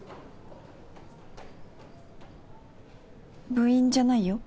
部員じゃないよ。